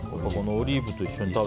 オリーブと一緒に。